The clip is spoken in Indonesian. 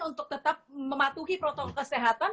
untuk tetap mematuhi protokol kesehatan